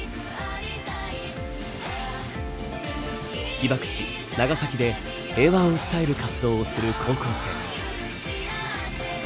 被爆地長崎で平和を訴える活動をする高校生。